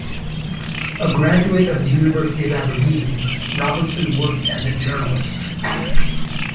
A graduate of the University of Aberdeen, Robertson worked as a journalist.